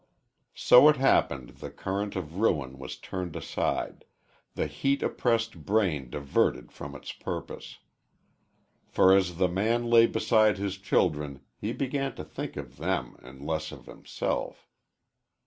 So it happened the current of ruin was turned aside the heat oppressed brain diverted from its purpose. For as the man lay beside his children he began to think of them and less of himself.